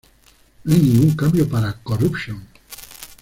No hay ningún cambio para "Corruption".